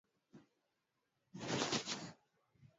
walivamia kijiji cha Bulongo katika jimbo la Kivu kaskazini